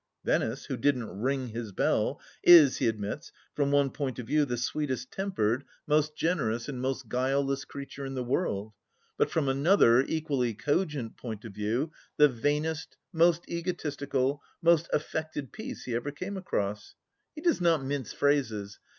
Venice, who didn't ring his bell, is, he admits, from one point of view the sweetest tempered, most THE LAST DITCH 11 generous and most guileless creature in the world, but from another, equally cogent point of view, the vainest, most egotistical, most " affected piece " he ever came across. He does not mince phrases.